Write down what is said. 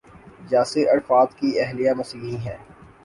Yasir Arafat کی اہلیہ مسیحی ہیں۔